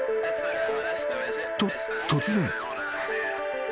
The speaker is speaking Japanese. ［と突然］